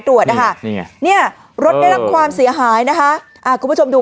ตรวจอ่ะค่ะเนี่ยรถได้รับความเสียหายนะคะคุณผู้ชมดู